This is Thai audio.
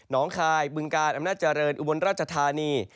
น้องคายบึงกาลอำนาจเจริญอุบลราชธานี